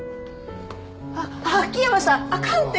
あっ秋山さんあかんって！